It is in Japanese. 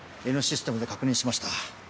Ｎシステムで確認しました。